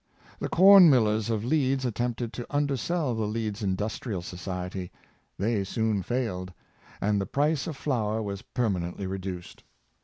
The corn millers of Leeds attempted to undersell the Leeds Industrial Society. They soon failed, and the price of flour was perma nently reduced.